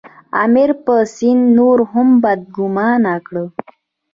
امیر پر سید نور هم بدګومانه کړ.